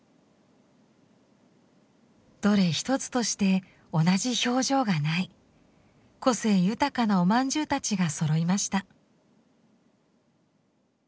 どれ一つとして同じ表情がない個性豊かなおまんじゅうたちがそろいました。